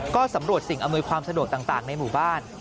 ก็สำรวจสิ่งอำนวยความสะดวกต่างในหมู่บ้าน